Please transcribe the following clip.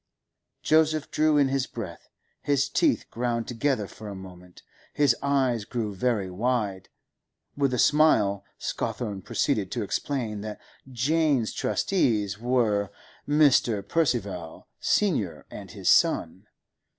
Joseph drew in his breath; his teeth ground together for a moment; his eyes grew very wide. With a smile Scawthorne proceeded to explain that Jane's trustees were Mr. Percival, senior, and his son.